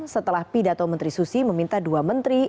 setelah pidato menteri susi meminta dua menteri